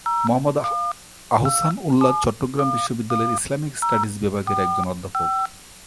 মুহাম্মদ আহসান উল্লাহ চট্টগ্রাম বিশ্ববিদ্যালয়ের Islamic studies বিভাগের একজন অধ্যাপক।